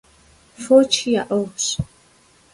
Фочи яӀыгъщ.